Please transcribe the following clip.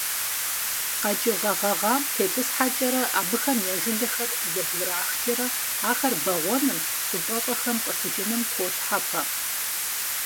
КъэкӀыгъэ гъэгъам тетӀысхьэкӀэрэ, абыхэм я жылэхэр зэбграхкӀэрэ ахэр бэгъуэным, щӀыпӀэщӀэхэм къыщыкӀыным хуощхьэпэ.